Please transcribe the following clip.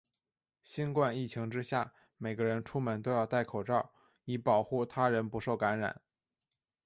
新冠疫情之下，每个人出门都要带口罩，以保护他人不受感染。